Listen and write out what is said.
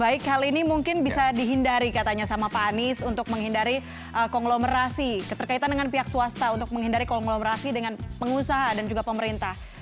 baik hal ini mungkin bisa dihindari katanya sama pak anies untuk menghindari konglomerasi keterkaitan dengan pihak swasta untuk menghindari konglomerasi dengan pengusaha dan juga pemerintah